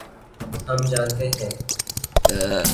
ہم جانتے ہیں۔